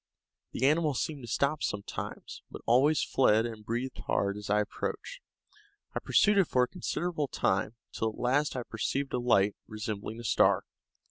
The animal seemed to stop sometimes, but always fled and breathed hard as I approached. I pursued it for a considerable time, till at last I perceived a light, resembling a star.